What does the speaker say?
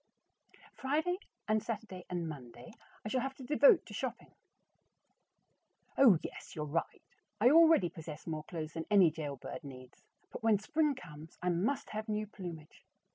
Friday and Saturday and Monday I shall have to devote to shopping. Oh, yes, you're right; I already possess more clothes than any jailbird needs, but when spring comes, I must have new plumage.